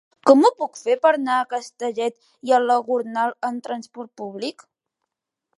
Com ho puc fer per anar a Castellet i la Gornal amb trasport públic?